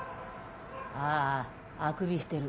あーああくびしてる。